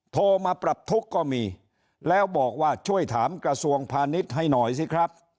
โทรมาปรับทุกข์ก็มีแล้วบอกว่าช่วยถามกระทรวงพาณิชย์ให้หน่อยสิครับ